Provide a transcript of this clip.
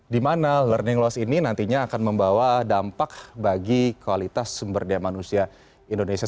di mana learning loss ini nantinya akan membawa dampak bagi kualitas sumber daya manusia indonesia